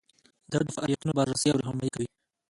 دا د فعالیتونو بررسي او رهنمایي کوي.